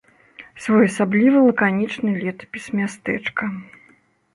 Своеасаблівы лаканічны летапіс мястэчка.